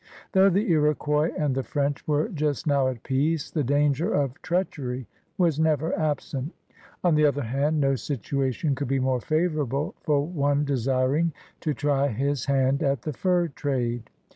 Though the Lroquois and the French were just now at peace, the danger of treachery was never absent. On the other hand no situation could be more favorable for one desiring to try his hand at the fur trade.